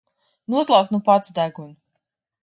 Noslauki nu pats degunu!